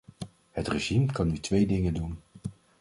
Het regime kan nu twee dingen doen.